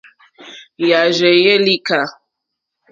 Yààrzéyɛ́ lìkɛ̂.